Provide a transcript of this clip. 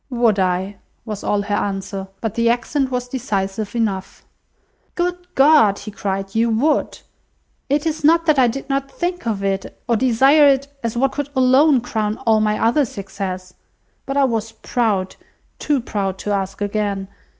"Would I!" was all her answer; but the accent was decisive enough. "Good God!" he cried, "you would! It is not that I did not think of it, or desire it, as what could alone crown all my other success; but I was proud, too proud to ask again.